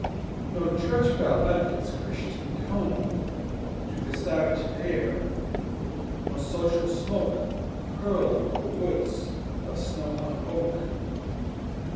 No church bell lent its Christian tone To the savage air, no social smoke Curled over woods of snow hung oak.